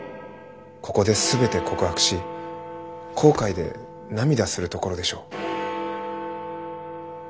ここで全て告白し後悔で涙するところでしょう。